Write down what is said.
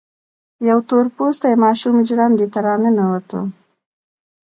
يوه تور پوستې ماشومه ژرندې ته را ننوته.